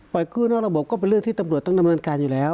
กู้นอกระบบก็เป็นเรื่องที่ตำรวจต้องดำเนินการอยู่แล้ว